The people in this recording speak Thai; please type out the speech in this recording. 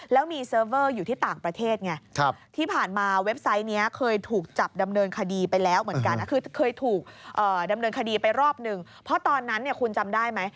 แล้วมีเซิร์ฟเวอร์อยู่ที่ต่างประเทศไง